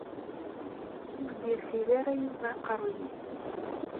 Ur d-yerfid ara Yuba aqerruy-is.